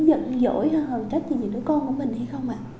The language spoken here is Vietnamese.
giận dỗi hơn trách gì với đứa con của mình hay không ạ